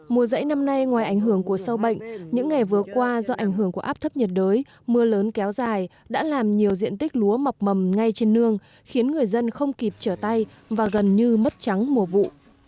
mùa rẫy năm nay ngoài ảnh hưởng của sâu bệnh những ngày vừa qua do ảnh hưởng của áp thấp nhiệt đới mưa lớn kéo dài đã làm nhiều diện tích lúa mọc mầm ngay trên nương khiến người dân không kịp trở tay và gần như mất trắng mùa vụ